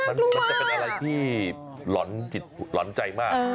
น่ากลัวมากมันจะเป็นอะไรที่หลอนใจมาก